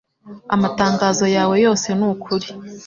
Amatangazo yawe yose ni ukuri